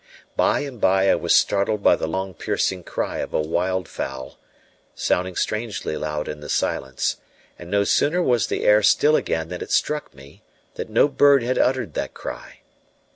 By and by I was startled by the long, piercing cry of a wildfowl, sounding strangely loud in the silence; and no sooner was the air still again than it struck me that no bird had uttered that cry.